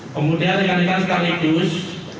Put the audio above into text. kemudian rekan rekan sekaligus